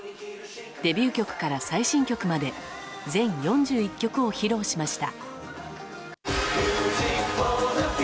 デビュー曲から最新曲まで全４１曲を披露しました。